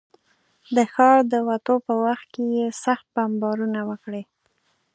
د ښاره د وتو په وخت کې یې سخت بمبار نه و کړی.